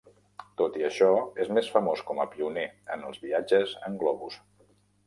Tot i això, és més famós com a pioner en els viatges en globus.